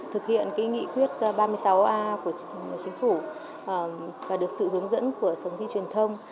thực hiện nghị quyết ba mươi sáu a của chính phủ và được sự hướng dẫn của sở thi truyền thông